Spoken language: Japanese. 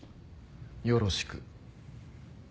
よろしく。